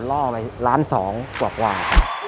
ล่อไป๑๒๐๐๐๐๐บาทกว่ากว่า